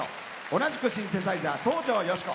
同じくシンセサイザー、東条慶子。